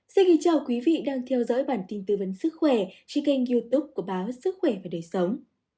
xin kính chào quý vị đang theo dõi bản tin tư vấn sức khỏe trên kênh youtube của báo sức khỏe và đời sống